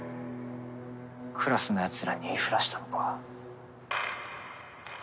クラスの奴らに言いふらしたのか？